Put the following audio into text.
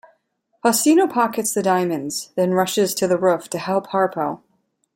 Faustino pockets the diamonds, then rushes to the roof to help Harpo.